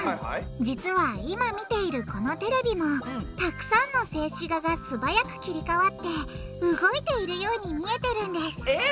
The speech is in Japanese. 実は今見ているこのテレビもたくさんの静止画が素早く切り替わって動いているように見えてるんですえっ！？